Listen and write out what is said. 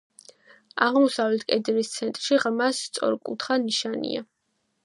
აღმოსავლეთ კედლის ცენტრში ღრმა, სწორკუთხა ნიშია.